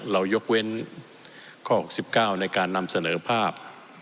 ยกเว้นข้อ๖๙ในการนำเสนอภาพ